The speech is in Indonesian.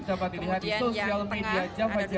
tapi this time kita ketemu dalam musik